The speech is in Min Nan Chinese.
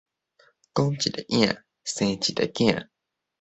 講一个影，生一个囝